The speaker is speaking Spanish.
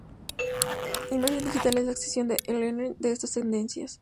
Inmersión digital es la extensión de E-learning de estas tendencias.